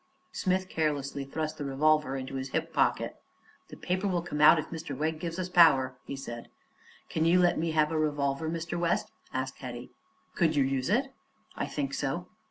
Smith carelessly thrust the revolver into his hip pocket. "The paper will come out if Mr. Wegg gives us the power," he said. "Can you let me have a revolver, Mr. West?" asked Hetty. "Could you use it?" "I think so."